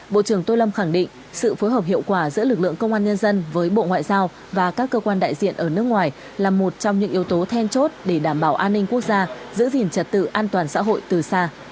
bộ trưởng tô lâm khẳng định sự phối hợp hiệu quả giữa lực lượng công an nhân dân với bộ ngoại giao và các cơ quan đại diện ở nước ngoài là một trong những yếu tố then chốt để đảm bảo an ninh quốc gia giữ gìn trật tự an toàn xã hội từ xa